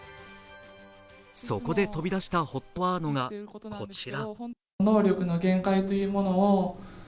そこで飛び出したＨＯＴワードがこちら。